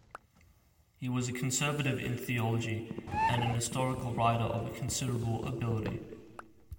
He was a conservative in theology, and an historical writer of considerable ability.